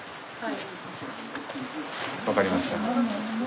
分かりました。